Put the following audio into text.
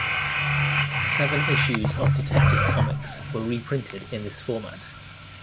Seven issues of "Detective Comics" were reprinted in this format.